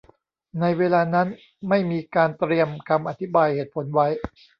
ในเวลานั้นไม่มีการเตรียมคำอธิบายเหตุผลไว้